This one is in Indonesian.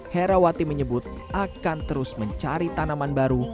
herawati menyebut akan terus mencari tanaman baru